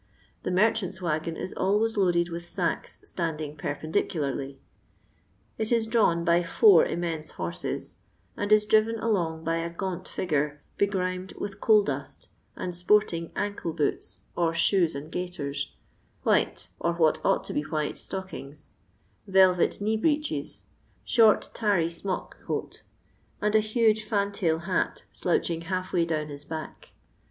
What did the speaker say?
The merchant's waggon is always loaded with sacks standing perpendicularly; it is drawn by foar immense horses, and is driven along by a gaunt figure, begrimed with coal dust, and " sporting " ancle boots, or shoes and gaiters, white, or what ought to be white, stockings, velvet knee breechet, short tarry smock frock, and a huge fiui tail hat slooching half way down his back.